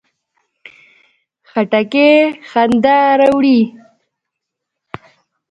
خټکی خندا راوړي.